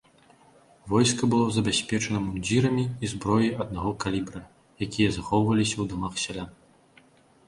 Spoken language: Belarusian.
Войска было забяспечана мундзірамі і зброяй аднаго калібра, якія захоўваліся ў дамах сялян.